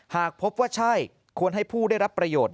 หากพบว่าใช่ควรให้ผู้ได้รับประโยชน์